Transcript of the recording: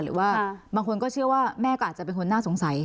หรือว่าบางคนก็เชื่อว่าแม่ก็อาจจะเป็นคนน่าสงสัย